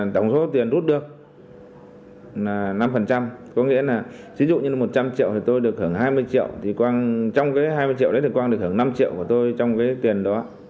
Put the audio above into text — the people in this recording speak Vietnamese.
tổng số tiền rút được là năm có nghĩa là sử dụng như một trăm linh triệu thì tôi được hưởng hai mươi triệu trong cái hai mươi triệu đấy thì quang được hưởng năm triệu của tôi trong cái tiền đó